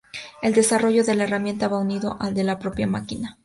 El desarrollo de la herramienta va unido al de la propia máquina.